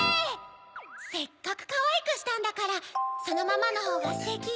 せっかくかわいくしたんだからそのままのほうがステキよ。